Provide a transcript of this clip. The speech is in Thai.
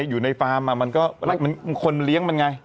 อยู่ในฟาร์มมันก็คนเลี้ยงมันไง